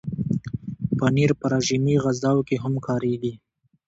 پنېر په رژیمي غذاوو کې هم کارېږي.